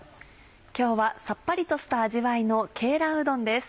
今日はさっぱりした味わいの「鶏卵うどん」です。